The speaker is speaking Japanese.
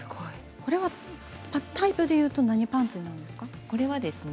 タイプでいうと何パンツなんですか。